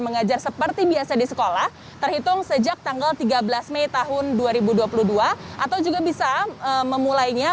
mengajar seperti biasa di sekolah terhitung sejak tanggal tiga belas mei tahun dua ribu dua puluh dua atau juga bisa memulainya